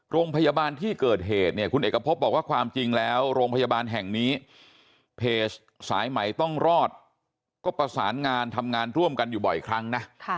โรงพยาบาลที่เกิดเหตุเนี่ยคุณเอกพบบอกว่าความจริงแล้วโรงพยาบาลแห่งนี้เพจสายใหม่ต้องรอดก็ประสานงานทำงานร่วมกันอยู่บ่อยครั้งนะ